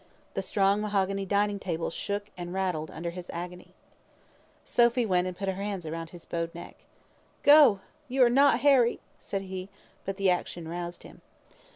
The strong mahogany dining table shook and rattled under his agony. Sophy went and put her arms round his bowed neck. "Go! you are not Harry," said he; but the action roused him.